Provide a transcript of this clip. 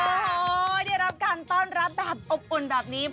โอ้โหได้รับการต้อนรับแบบอบอุ่นแบบนี้